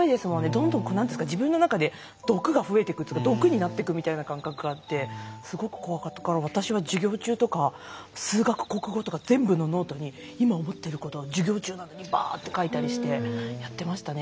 どんどん自分の中で毒が増えていくというか毒になっていくみたいな感覚があってすごく怖かったから私は授業中とか数学国語とか全部のノートに今思っていることを授業中なのにバーッて書いたりしてやってましたね。